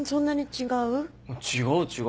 違う違う。